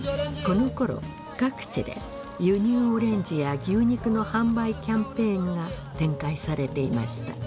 このころ各地で輸入オレンジや牛肉の販売キャンペーンが展開されていました。